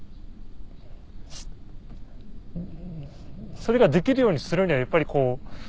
それができるようにするにはやっぱり。